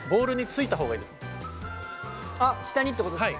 下にってことですね。